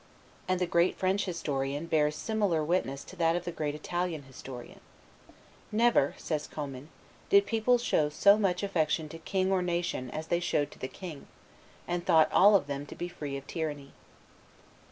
And the great French historian bears similar witness to that of the great Italian historian: "Never," says Commynes, "did people show so much affection to king or nation as they showed to the king, and thought all of them to be free of tyranny."